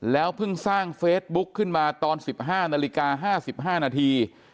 เพิ่งสร้างเฟซบุ๊กขึ้นมาตอน๑๕นาฬิกา๕๕นาที